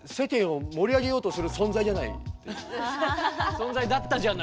存在だったじゃない。